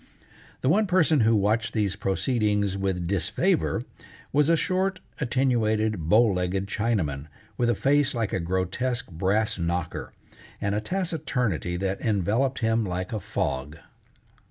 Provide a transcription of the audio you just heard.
The one person who watched these proceedings with disfavor was a short, attenuated, bow legged Chinaman, with a face like a grotesque brass knocker, and a taciturnity that enveloped him like a fog.